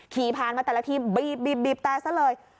ขี่ผ่านมาแต่ละทีบีบแต่ซะเลย